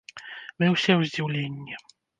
Мы ўсе ў здзіўленні.